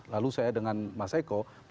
lalu saya dengan mas eko